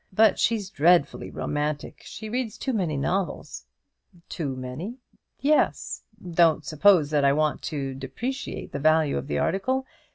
But she's dreadfully romantic. She reads too many novels." "Too many?" "Yes. Don't suppose that I want to depreciate the value of the article.